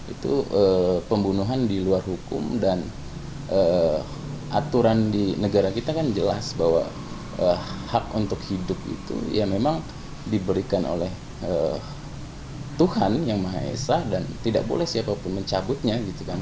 itu pembunuhan di luar hukum dan aturan di negara kita kan jelas bahwa hak untuk hidup itu ya memang diberikan oleh tuhan yang maha esa dan tidak boleh siapapun mencabutnya